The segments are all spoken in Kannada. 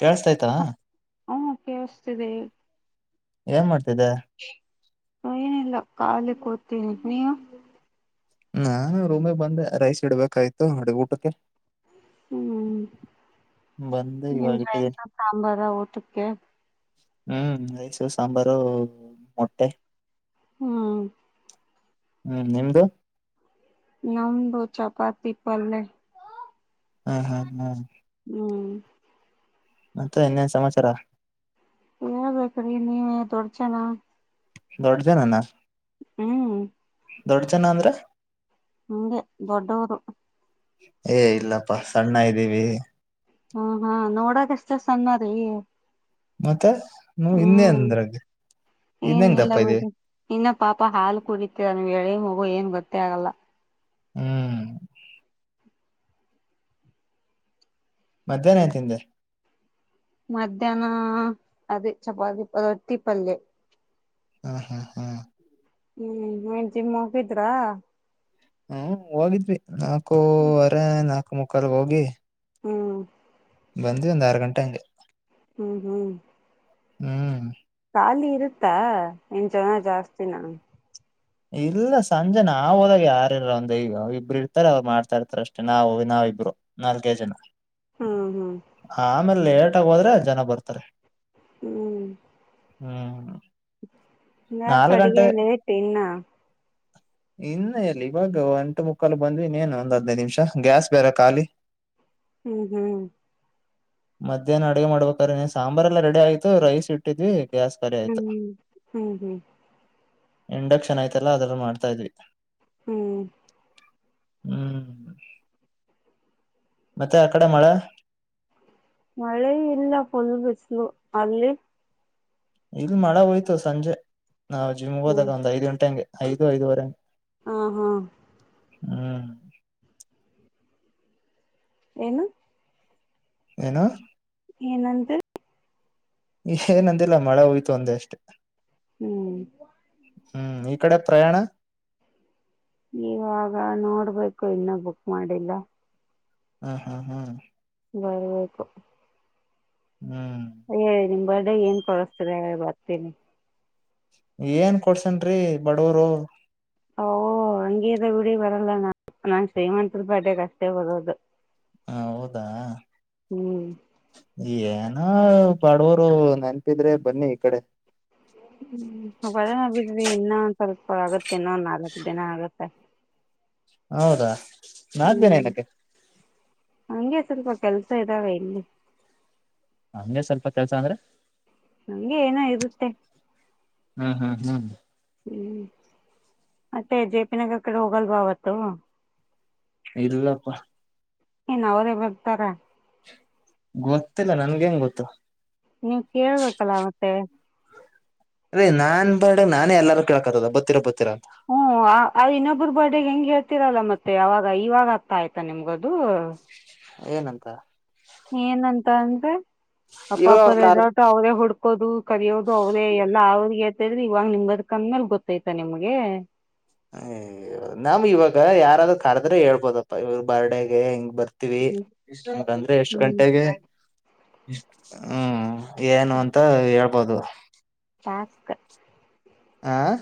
ಕೇಳಸ್ತ ಆಯ್ತಾ ಹ್ಮ ಕೇಳಿಸ್ತಿದೆ ಏನ್ ಮಾಡ್ತಿದ್ದ ಏನಿಲ್ಲ ಕಾಲಿಕ್ಕೆ ಹ್ತೀನಿ ನೀವು ಹಾ ರೂಮಾಗ ಬಂದೆ ರೈಸ್ ಇಡ್ಬೇಕಾಯ್ತು ನೋಡಿ ಊಟಕ್ಕೆ ಹ್ಮ್ ಬಂದು ಇವಾಗ ನಿಮಸ ಇಟ್ಟಿದ್ದೀನಿ ಸಾಂಬಾರ ಊಟಕ್ಕೆ ಹ್ಮ್ ರೈಸ್ು ಸಾಂಬಾರು ಮೊಟ್ಟೆ ಹ್ಮ್ ಹ್ಮ್ ನಿಮ್ದು ನಮ್ದು ಚಪಾತಿ ಪಲ್ಲೇ ಹ್ಮ್ ಹ್ಮ್ ಹ್ಮ್ ಹ್ಮ್ ಮತ್ತೆ ಇನ್ನೇನ್ ಸಮಾಚಾರ ಹೇಳ್ಬೇಕ್ರಿ ನೀವೇ ದೊಡ್ ಜನ ದೊಡ್ ಜನನ ಹ್ಮ್ ದೊಡ್ ಜನ ಅಂದ್ರೆ ಹಂಗೆ ದೊಡ್ಡವರು ಏ ಇಲ್ಲಪ್ಪಾ ಸಣ್ಣ ಇದ್ದೀವಿ ಹ್ಮ ಹಾ ನೋಡಕ್ಷ್ಟ ಸಣ್ಣ ರೀ ಮತ್ತೆ ನ ಇನ್ನೇ ಅಂದ್ರಗ್ ಇನ್ನೇಂಗ ಏನಿಲ್ಲ ದಪ್ಪ ಇದೆ ಬಿಡ್ರಿ ಇನ್ನ ಪಾಪ ಹಾಲು ಕುೂಡತಿರ ನೀ ಎಳೆ ಹಗು ಏನ್ ಗೊತ್ತೇ ಆಗಲ್ಲ ಹ್ಮ್ ಮಧ್ಯಾಹ್ನ ಆ್ತಿಂದೆ ಮಧ್ಯಾಹ್ನ ಅದೇ ಚಪಾತಿ ರೊಟ್ಟಿ ಪಲ್ಯ ಹಾ ಹಾ ಹಾ ಹ್ಮ್ ಮನ್ ಜಿಮ್ ಹೋಗಿದ್ರಾ ಹ್ಮ ಹೋಗಿದ್ವಿ ನಾಲ್ಕೂವರೆ ನಾಲ್ಕು ಮುಕ್ಕಾಲ್ಗ ಹೋಗಿ ಹ್ಞ ಬಂದು ಒಂದು ಆರು ಗಂಟೆ ಹಂಗೆ ಹ್ಮ್ ಹ್ಮ್ ಹ್ಮ್ ಖಾಲಿ ಇರುತ್ತಾ ಎಂ ಜನ ಜಾಸ್ತಿ ನಾ ಇಲ್ಲ ಸಂಜೆ ನಾವ ಹೋದಾಗ ಯಾರಲ್ಲ ಒಂದ್ಯ ಇಬ್ರು ಇರ್ತಾರೆ ಅವ್ರು ಮಾಡ್ತಾ ಇರ್ತಾರ ಅಷ್ಟೇ ನಾವುವಿ ನಾವಿಬ್ರು ನಾಲ್ಕೇ ಜನ ಹ್ಮ್ ಹ್ಮ್ ಆಮೇಲೆ ಲೇಟ್ ಆಗ ಹೋದ್ರೆ ಜನ ಬರ್ತಾರೆ ಹ್ಮ್ ಹ್ಮ್ ನಾ ನಾಲ್ಕ್ ಗಂಟೆ ಕಡಗೆಲ್ಲ ಇತು ಇನ್ನ ಇನ್ನ ಎಲ್ಲಿ ಇವಾಗ ಒಂಟು ಮುಕ್ಕಾಲು ಬಂದ್ ಇನ್ ನ್ ಒಂದ್ ಹದ್ನೈದು ನಿಮಿಷ ಗ್ಯಾಸ್ ಬೇರೆ ಖಾಲಿ ಹ್ಮ್ ಹ್ಮ್ ಮಧ್ಯಾಹ್ನ ಅಡಗೆ ಮಾಡಬೇಕಾರೆ್ರ ನೀ ಸಾಂಬಾರ ಎಲ್ಲ ರೆಡಿ ಆಯ್ತು ರೈಸ್ ಇಟ್ಟು ವಿ ಗ್ಯಾಸ್ ಕರಿ ಆಯ್ತ ಹ್ಮ್ ಹ್ಮ್ ಹ್ಮ್ ಇಂಡಕ್ಷನ್ ಯ್ತಲ್ಲಾ ಅದಲ್ಲ ಮಾಡ್ತಾ ಇದ್ವಿ ಹು ಹ್ಮ್ ಮತ್ತೆ ಆ ಕಡೆ ಮಳ ಮಳೆ ಇಲ್ಲ ಫುಲ್ ಬಿಸಲು ಅಲ್ಲಿ ಇಲ್ ಮಳ ಹೋಯ್ತು ಸಂಜೆ ನಾವ್ ಜಿಮ್ ಹ್ಮ್ ಹೋದಾಗಂದ್ ಐದ್ ಗಂಟೆಂಗೆ ಐದು ಐದುವರೆಗೆ ಹಾ ಹಾ ಹ್ಮ್ ಏನು ಏನು ಏನಂದ್ರೆ ಏನಂದಿಲ್ಲ ಮಳೆ ಹೋಯ್ತು ಒಂದ ಅಷ್ಟೆ ಹ್ಮ್ ಹ್ಮ್ ಕಡೆ ಪ್ರಯಾಣ ನೀವಾಗ ನೋಡ್ಬೇಕು ಇನ್ನೂ ಬುಕ್ ಮಾಡಿಲ್ಲ ಹ್ಮ್ ಹ್ಮ ಹ್ಮ್ ಬರ್ಬೇಕು ಹ್ಮ್ ಹೇಳಿ ನಿಮ್ ಬರ್ಡೆ ಏನ್ ಕೊಳಸ್ತದೆ ಬರ್ತೀನಿ ಏನ್ ಕೊಡ್ಸನ್ ಬಡವರು ಓ ಹಂಗೀದ ಬಿಡಿ ಬರಲ್ಲ ನ ನಾನ್ ಶ್ರೀಮಂತರ ಪೇಟೆಗ ಅಷ್ಟೇ ಬರೋದು ಹಾ ಹೌದಾ ಹ್ಮ್ ಏನ ಬಾಡವರು ನೆನಪಿದ್ರೆ ಬನ್ನಿ ಈ ಕಡೆ ಹ್ಮ್ ಒಳನ ಬಿಡ್ರಿ ಇನ್ನೊ ಒಂದ್ ಸ್ವಲ್ಪ ಆಗತ್ತೆ ಇನ್ನೊಂದ್ ನಾಲ್ಕಕ್ ದಿನ ಆಗತ್ತೆ ಹೌದಾ ಹ್ಮ್ ನಾಾಗ್ದೇನೆ ಏನಕ್ಕೆ ಹಂಗೆ ಸ್ವಲ್ಪ ಕೆಲ್ಸ ಇದಾವೆ ಇಲ್ಲಿ ಹಂಗೆ ಸ್ವಲ್ಪ ಕೆಲ್ಸ ಅಂದ್ರೆ ನಂಗೆ ಏನೋ ಇರುತ್ತೆ ಹ್ಮ್ ಹ್ಮ್ ಹ್ಮ್ ಹ್ಮ್ ಮತ್ತೆ ಜೆಪಿ ನಗರ್ ಕಡೆ ಹೋಗಲ್ ಬಾವತ್ತು ಇಲ್ಲಪ್ಪ ಏನ್ ಅವರೇ ಬರ್ತಾರ ಗೊತ್ತಿಲ್ಲ ನನ್ಗೆ ಹೆಂಗ ಗೊತ್ತು ನೀ ಕೇಳ್ಬೇಕಲ್ಲ ಮತ್ತೆ ರೀ ನಾನ್ ಬರ್ಡ ನಾನೇ ಎಲ್ಲಾರು ಕೇಳಕತದ ಬತ್ತಿರಾ ಬತ್ತೀರಾಂತ ಹ್ಮ್ ಇನ್ನೊಬ್ಬ್ರ ಬರ್ಡೇಗೆ ಹೆಂಗ್ ಹೇಳ್ತರಲ್ಲ ಮತ್ತೆ ಅವಾಗ ಇವಾಗ ಆತಾ ಆಯ್ತಾ ನಿಮ್ಗದು ಏನಂತ ಏನಂತ ಅಂದ್ರೆ ಅಪ್ಪ ಇವಾಗ ಅವ್ರ ಅಪ್ಪ ಕಾರ್ ರೆಸಾರ್ಟ ಅವರೇ ಹುಡ್ಕೋದು ಕರಿಿಯೋದು ಅವ್ರೇ ಎಲ್ಲ ಅವ್ರಿಗೆೇತದ್ರೆ ಇವಾಗ ನಿಮಂಬದಕಂದ್ಮೇಲೆ ಗೊತ್ತೈತ ನಿಮ್ಗೆ ಹ ನಮ ಇವಾಗ ಯಾರಾದ್ರರು ಕರದ್ರೆ ಹೇಳ್ಬೋದಪ್ಪ ಇವ್ರ ಬರ್ಡೆಗೆ ಹೆಂಗ ಬರ್ ಂದ್ರೆ ಎಷ್ಟ್ ಹ್ಮ್ ಗಂಟೆಗೆ ಹ್ಮ್ ಏನು ಅಂತ ಹೇಳ್ಬೋದು ಪಾಸ್ಕ್ ಆಂ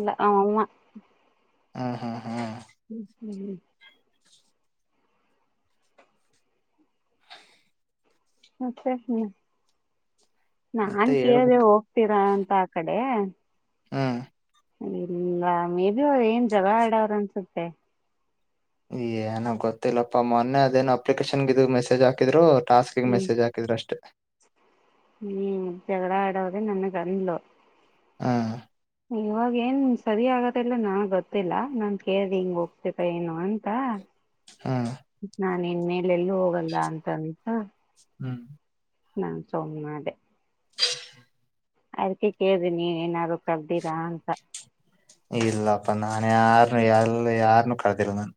ಲ್ಲಮ್ಮ ಹ್ಮ್ ಹ್ಮ ಹ್ಮ ಹ್ಮ್ ಹ್ಮ್ ಹ್ಮ್ ಮತ್ತೆ ಹ್ಮ ಮತ್ತೆ ನಾನ್ ಹೇಳ್ಬೇಕ್ ಕೇಳಿದೆವು ಇತೀರಾ ಅಂತ ಆ ಕಡೆ ಹ್ಮ್ ಇಲ್ಲ ಮೇಬ ಅವ ಏನ್ ಜಗಳ ಆಡವರು ಅನ್ಸುತ್ತೆ ಏನ ಗೊತ್ತಿಲ್ಲಪ್ಪ ಮೊನ್ನೆ ಅದೇನ್ ಅಪ್ಲಿಕೇಶನ್ಗೆ ಇದಿದು ಮೆಸೇಜ್ ಹಾಕಿದ್ರು ಟಾಸ್ಕ್ಿಗೆ ಹ್ಮ್ ಮೆಸೇಜ್ಾಕಿದ್ರರುಷ್ಟೇ ಹ್ಮ್ ಜಡ ಆಡೋದೆ ನನ್ಗಂದ್ಲು ಹಾಂ ಇವಾಗ ಏನ್ ಸರಿ ಆಗತ್ತ ಇಲ್ಲ ನಾ ಗೊತ್ತಿಲ್ಲಾ ನಾನ್ ಕೇಳ್ದಿ ಹಿಂಗ ಹೋಗ್ತತ ಏನು ಅಂತ ಹಾ ನಾ ಇನ್ ಮೇಲೆ ಎಲ್ಲೂ ಹೋಗಲ್ಲ ಅಂತ ಅನ್ಸ ಹ್ಮ್ ನಾ ಸು್ ಮಾಡೆ ಅದಕ್ಕೆ ಕೇಳಿ ನೀ ಏನಾದ್ರು ಕಲ್ದಿರಾ ಅಂತ ಇಲ್ಲಪ್ಪ ನಾನ ಯಾರನು ಎಲ್ಲ ಯಾರನ್ನು ಕಳದಿಲ್ಲ ನಾನು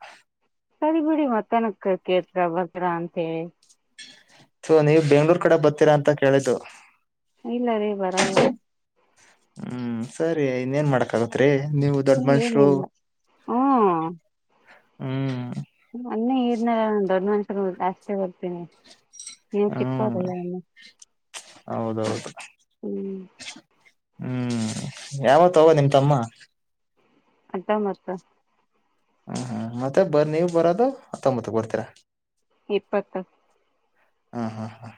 ಸರಿ ಬಿಡಿ ಮತ್ತನಕ್ ಕೇತ್ರ ಭದ್ರಾ ಅಂತ ಹೇಳಿ ಸೊ ನೀವು ಬೆಂಗ್ಗಳೂರ್ ಕಡೆ ಬರ್ತೀರಾ ಅಂತ ಕೇಳಿದ್ದು ಇಲ್ಲ ರೇ ಬರಲ್ಲ ಹ್ಮ್ ಸರಿ ಇನ್ನೇನ್ ಮಾಡಕ್ ಆಗತ್ರಿ ನೀವು ದೊಡ್ಡ ಮಷರು ಏನಿಲ್ಲ ಹ್ಮ್ ಹ್ಮ್ ಅನ್ನೆ ಈನ ದೊಡ್ಡ ಮನ್ಷ್ಯರು ಜಾಸ್ತಿ ಹೋಗ್ತೀನಿ ನೀವು ಚಿಕ್ಕ ಹ್ಮ್ ಹದಲ್ಲ ಇನ್ನು ಹೌದೌದು ಹ್ಮ್ ಹ್ಮ್ ಯಾವತ್ಗೋ ನಿಮ ತಮ್ಮ ಅದ ಮತ್ತ ಹ್ಮ್ ಹ್ಮ್ ಮತ್ತೆ ಬರ್ ನೀವ್ ಬರೋದು ಹತ್ತೊಂಬತ್ತು ಕೊರ್ತೀರಾ ಇಪ್ಪತ್ತತ್ತು ಹಾಂ ಹಾಂ ಹಾಂ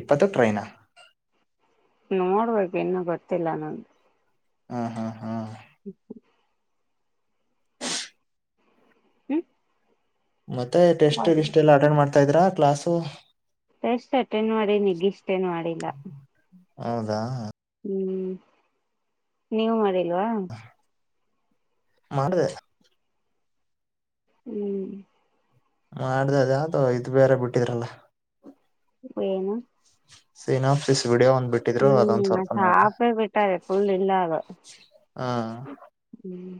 ಇಪ್ಪತ್ತು ಟ್ರೈನಾ ನೋಡ್ಬೇಕ ಇನ್ನು ಗೊತ್ತಿಲ್ಲ ನಗೆ ಹಾ ಹಾ ಹಾ ಹ್ಮ್ ಹ್ಮ ಮತ್ತೆ ಟೆಸ್ಟ್ ಲಿಸ್ಟ ಎಲ್ಲ ಅಟೆಂಡ್ ಮಾಡ್ತಾ ಇದ್ರಾ ಕ್ಲಾಸು ಟೆಸ್ಟ್ ಅಟೆಂಡ್ ಮಾಡಿ ನಿಗ್ ಇಷ್ಟೇ ಮಾಡಿಲ್ಲ ಹೌದಾ ಹ್ಮ್ ನೀವು ಮಾಡಿಲ್ವಾ ಮಾಡ್ದ ಹ್ಮ್ ಮಾಡ್ದ ಅದ ಯಾವದ ಇದು್ ಬೇರೆ ಬಿಟ್ಟಿದ್ರಲ್ಲ ಏನು ಸನ್ಫಸ್ ವಿಡೋಂದ್ಬಟ್ಟು ಹ್ಮ್ ಸಾಪೇ ಬಿಟ್ಟಾರೆ ಫುಲ್ ಇಲ್ಲ ಅದು ಹಾ ಹ್ಮ್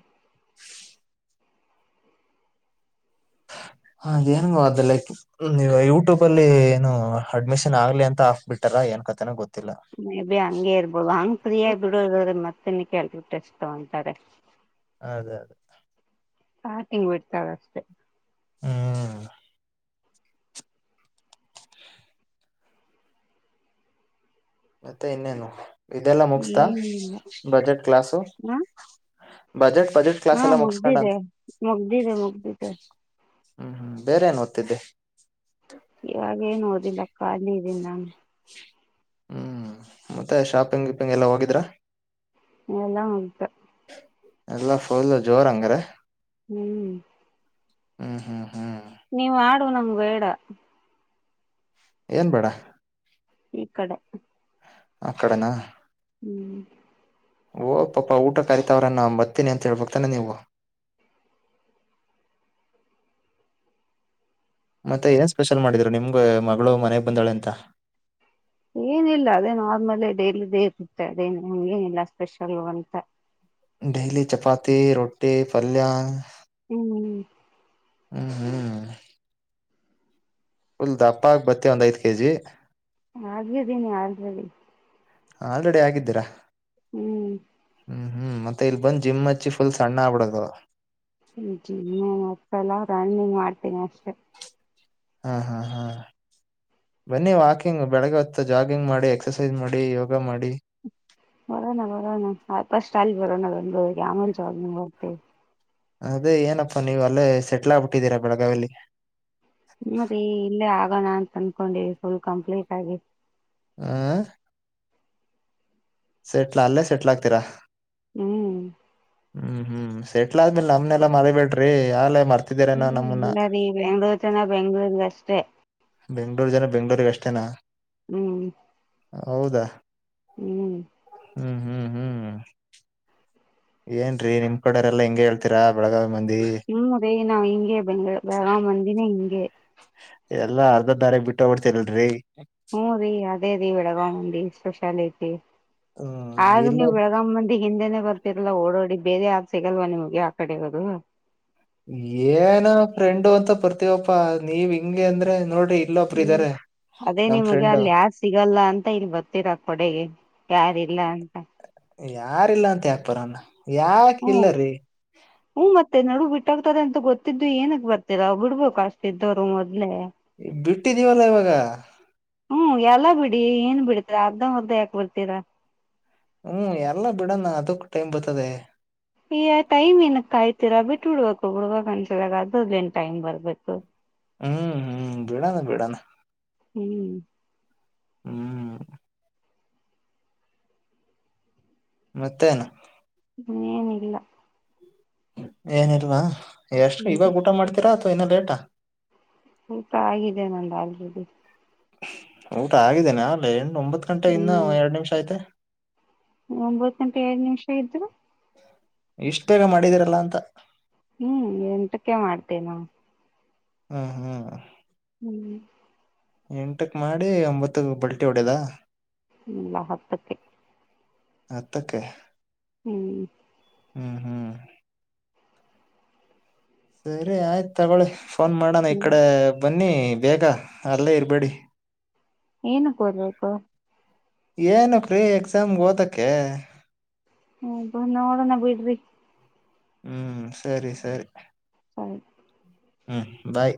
ಹಾ ಜನಂಗ ಅದೆಲ್ಲಾಕಿ ಹ್ಮ ನೀವ ಯೂಟ್ಯೂಬ್ ಅಲ್ಲಿ ಏನು ಅಡ್ಮಿಷನ್ ಆಗ್ಲಿ ಅಂತ ಹಕ್ಬಿಟ್ಟಾರ ಏನ್ ಕತೆನ ಗೊತ್ತಿಲ್ಲ ಮೇ ಬಿ ಹಂಗೆ ಇರ್ಬೋದು, ಹಂಗ್ ಫ್ರೀ ಆಗಿ ಬಿಡುದಾದ್ರ ಮತ್ [unintelligible] ತಗೋಂತಾರೆ. ಅದೇ ಅದೇ. ಸ್ಟಾರ್ಟಿಂಗ್ ಬಿಡ್ತಾರ ಅಷ್ಟೇ. ಹ್ಮ ಮತ್ತೆ ಇನ್ನೇನು ಇದೆಲ್ಲಾ ಮುಗಸ್ತಾ ಏನಿಲ್ಲ ಬಜೆಟ್ ಕ್ಲಾಸು. ಹ ಬಜೆಟ್ ಬಜೆಟ್. ಕ್ಲಾಸ್ ಹಾ ಎಲ್ಲ ಮುಗಿಸ್ಕೊಂಡ ಮುಗ್ದಿದೆೆ, ಅಂತ ಮುಗ್ದಿದೆ ಮುಗ್ದಿದೆ. ಹ್ಮ್ ಹ್ಮ್ ಬೇರೆ ಏನ್ ಓದ್ತಿದ್ದೆ. ಇವಾಗೇನ್ ಓದಿಲ್ಲ ಕಾಲಿ ಇದೀನಾನು. ಹ್ಮ್ ಮತ್ತೆ ಶಾಪಿಂಗ್ ಗಿಪಿಂಗ್ ಎಲ್ಲ ಹೋಗಿದ್ರಾ [unintelligible] ಎಲ್ಲಾ ಫುಲ್ ಜೋರ್ ಹಂಗರ. ಹ್ಮ್ ಹ್ಮ್ ಹ್ಮ್ ಹ್ಮ್ ನೀ ಮಾಡು ನಂಗ್ ಬೇಡ. ಏನ್ ಬೇಡ. ಈ ಕಡೆ. ಆಕಡೆನಾ. ಹ್ಮ್ ಹೋಗ್ ಪಾಪ ಊಟಕ್ಕರಿತಾವ್ರೇನ್ ನಾ ಬತ್ತಿನಿ ಅಂತ್ ಹೇಳ್ಬಕ್ತಾನೆ ನೀವು. ಮತ್ತೆ ಏನ್ ಸ್ಪೆಷಲ್ ಮಾಡಿದ್ರು ನಿಮ್ಗೆ ಮಗಳು ಮನೆಗ್ ಬಂದಾಳೆ ಅಂತ. ಏನಿಲ್ಲ ಅದೇ ನಾರ್ಮಲ್ ಡೆಲಿ ಇದೇ ಇರ್ತೀತ್ ಅದೇ ಏನಿಲ್ಲ ಸ್ಪೆಷಲ್ ಅಂತ. ಡೇಲಿ ಚಪಾತಿ ರೊಟ್ಟಿ ಪಲ್ಯಾ ಹ್ಮ್ ಹ್ಮ್ ಹ್ಮ ಪುಲ್ ದಪ್ಪ ಹಾಗಿ ಬತ್ತಿವ ಒಂದ್ ಐದ ಕೆ ಜಿ ಆಗಿದ್ದೀನಿ ಆಲ್ರೆಡಿ ಆಲ್ರಡಿ ಆಗಿದ್ದೀರಾ ಹ್ಮ್ ಹ್ಮ್ ಹ್ಮ್ ಮತ್ತೆ ಇಲ್ ಬಂದ ಜಿಮ್ ಹಚ್ಚಿ ಫುಲ್ ಸಣ್ಣ ಆಗ್ಬಡದ ಜಿಮ್ಮ ಏನ್ ಹಚ್ಚಲ್ಲಾ ರನ್ನಿಂಗ್ ಮಾಡ್ತೀನಿ ಅಷ್ಟೆ ಹಾ ಹಾ ಹಾ ಬನ್ನಿ ವಾಕಿಂಗ್ ಬೆಳಗ್ಗೆ ಹೊತ್ತು ಜಾಗಿಂಗ್ ಮಾಡಿ ಎಕ್ಸಸೈಸ್ ಮಾಡಿ ಯೋಗ ಮಾಡಿ ಬರೋಣ ಬರೋಣ ಫಸ್ಟ್ ಅಲ್ಲ ಬರೋಣ ಬೆಂಗಳೂರಿಗೆ ಆಮೇಲ್ ಜಾಗಿಂಗ್ ಹೋಗ್ತಿವ್ ಅದೇ ಏನಪ್ಪಾ ನೀವ್ ಅಲ್ಲೇ ಸೆಟ್ಲ್ ಆಗ್ಬಿಟ್ಟಿದ್ದೀರಾ ಬೆಳಗಾವಿಲಿ. ಮತ್ತೆ ಇಲ್ಲೇ ಆಗೋಣ ಅಂತ ಅನ್ಕೊಂಡಿವ ಫುಲ್ ಕಂಪ್ಲೀಟ್ ಆಗಿ ಆ ಸೆಟ್ಲ ಅಲ್ಲೇ ಸೆಟ್ಲ್ ಆಗ್ತೀರಾ ಹ್ಮ್ ಹ್ಮ್ ಹ್ಮ್ ಸೆಟ್ಲ್ ಆದ್ಮೇಲ್ ನಮ್ನೆಲ್ಲಾ ಮರಿಬೇಡ್ರಿ ಆಗಲೇ ಮರ್ತ ಹ್ಮ ಇಲ್ಲ ರೀ ಬೆಂಗ್ಳೂರ್ ಜನ ಬೆಂಗ್ಳೂರಗ ಅಷ್ಟೇ ಬೆಂಗ್ಳೂರ ಜನ ಬೆಂಗ್ಗಳೂರಿಗ ಅಷ್ಟೇನಾ ಹ್ಮ್ ಹೌದಾ ಹ್ಮ್ ಹ್ಮ್ ಹ್ಮ್ ಹ್ಮ್ ಏನ್ ರೀ ನಿಮ್ ಕಡೆರೆಲ್ಲ ಹಿಂಗೆ ಹೇಳ್ತ ತ್ತಿರಾ ಬೆಳಗಾವಿ ಮಂದಿ ಹ್ಮ್ ರೀ ನಾವ್ ಹಿಂಗೆ ಬೆ ಬೆಳಗಾವ ಮಂದಿನೇ ಹಿಂಗೆ ಎಲ್ಲಾ ಅರ್ಧದಾರೆಗ್ ಬಿಟ್ಟೂಬಿಡ್ತೀರಲ್ರೀ ಹ್ಮ್ ರೀ ಅದೇ ರೀ ಬೆಳಗಾವ ಮಂದೀ ಸ್ಪೆಷಾಲಿಟಿ ಹ್ಮ್ ಆದ್ರ ಇಲ್ಲ ನೀವ ಬೆಳಗಾವ ಮಂದಿಗೆ ಹಿಂದೆನೆ ಗೊತ್ತ ಬರತಿರಲ್ಲ ಓಡೋಡಿ ಬೇರೆ ಯಾವದ್ ಸಿಗಲ್ವ ನಿಮ್ಗೆ ಆ ಕಡೆ ಇರೊದು. ಏನೋ ಫ್ರೆಂಡು ಅಂತ ಬರ್ತೀವಪ್ಪಾ ನೀವ್ ಹಿಂಗೆ ಅಂದ್ರೆ ನೋಡ್ರಿ. ಒಬ್ಬರ ಹ್ಮ್ ಇದ್ದಾರೆ ಅದೇ ನಿಮ್ಗೆ ಅಲ್ಲ ಯಾರ್ ಸಿಗಲ್ಲ ಅಂತ ಇಲ್ಲಿ ಬರ್ತೀರಾ ಕೊಡೆಗೆ ಯಾರ ಇಲ್ಲ ಅಂತ. ಯಾರಿಲ್ಲ ಅಂತ ಯಾಕ್ ಬರನ್ ಯಾಕ ಹ್ಮ್ ಇಲ್ಲರಿ ಹ್ಮ್ ಮತ್ತೆ ನಡು ಬಿಟ್ಟೊಗ್ತಾರೆ ಅಂತ ಗೊತ್ತಿದ್ದು ಏನಕ್ ಬರ್ತಿರ ಬುಡ್ಬೇಕು ಅಷ್ಟ ಇದ್ದೊರು ಮೊದ್ಲೆ ಈಗ ಬಿಟ್ಟಿದೀವಲ್ಲಾ ಇವಾಗ ಹ್ಮ್ ಎಲ್ಲ ಬಿಡಿ ಏನ್ ಬಿಡತ್ತಿರ ಅದ್ದ ಮುದ್ದ ಯಾಕ ಬಿಡ್ತೀರಾ ಹ್ಮ್ ಎಲ್ಲ ಬಿಡಾನ ಅದಕು ಟೈಮ್ ಬರ್ತದೆ ಈಯ ಟೈಮ್ ಏನಕ್ ಕಾಯ್ತೀರಾ ಬಿಟ್ಟ ಬಿಡ್ಬೇಕು ಬುಡಬೇಕ್ ಅನ್ಸಿದಾಗ ಅದ್ರದ್ ಏನ್ ಟೈಮ್ ಬರ್ಬೇಕು ಹ್ಮ್ ಹ್ಮ್ ಬೀಡನ ಬೀಡನ ಹ್ಮ್ ಹ್ಮ್ ಮತ್ತೆನು ಏನಿಲ್ಲ ಏನಲ್ವಾ ಎಷ್ಟು ಹ್ಮ್ ಇವಾಗ ಊಟ ಮಾಡ್ತೀರಾ ಅಥವಾ ಇನ್ನ ಲೇಟಾ ಊಟ ಆಗಿದೆ ನ ಆಲ್ಡಿ ಊಟ ಆಗಿದ್ದೇನೆ ಅಲ್ಲ ಹೆ್ಣು ಒಂಬತ್ ಗಂಟೆ ಇನ್ನ ಎರಡ್ ನಿಮಿಷ ಆಯ್ತೆ ಒಂಬತ್ ಗಂಟೆ ಎರಡ್ ನಿಮಿಷ ಇದ್ರು ಇಷ್ಟೇಗ ಮಾಡಿದೀರಲ್ಲ ಅಂತ ಹ್ಮ್ ಎಂಟಕ್ಕೆ ಮಾಡ್ತೇ ನ ಹಾ ಹಾ ಹ್ಮ್ ಎಂಟಕ್ ಮಾಡಿ ಒಂಬತ್ತ ಬಲ್ಟಿ ಹೊಡದ. ಇಲ್ಲ ಹತ್ತಕ್ಕೆ ಹತ್ತಕ್ಕೆ ಹ್ಮ್ ಹ್ಮ್ ಹ್ಮ್ ಸರಿ ಆಯ್ತು ತಗೊಳ್ಳಿ ಫೋನ್ ಮಾಡಣ ಈ ಹ್ಮ್ ಕಡೆ ಬನ್ನಿ ಬೇಗ ಅಲ್ಲೇ ಇರ್ಬೇಡಿ ಏನ ಹರ್ಬೇಕು ಏನ ಕ್ರೀ ಎಕ್ಸಾಮ್ಗೆ ಓದಕ್ಕೆ ಹ ನೋಡೋಣ ಬಿಡ್ರಿ ಹ್ಮ್ ಸರಿ ಸರಿ ಸರಿ ಹ್ಮ್ ಬಾಯ್